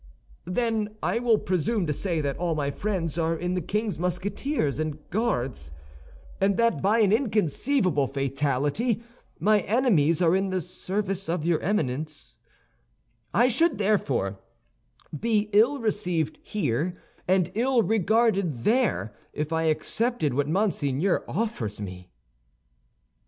"Then, I will presume to say that all my friends are in the king's Musketeers and Guards, and that by an inconceivable fatality my enemies are in the service of your Eminence; I should, therefore, be ill received here and ill regarded there if I accepted what Monseigneur offers me."